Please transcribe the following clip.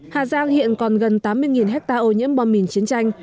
hà giang hiện còn gần tám mươi hectare ô nhiễm bom mìn chiến tranh